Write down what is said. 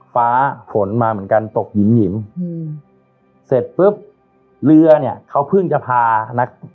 ฟ้าฝนมาเหมือนกันตกหยิมหิมอืมเสร็จปุ๊บเรือเนี่ยเขาเพิ่งจะพานัก